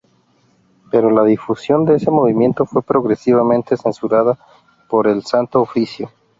Pero la difusión de ese movimiento fue progresivamente censurada por el Santo Oficio.